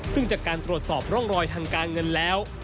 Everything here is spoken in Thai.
ซึ่งจากการตรวจสอบร่องรอยทางการเงินแล้ว